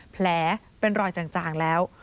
แผลเป็นรอยจางแล้ว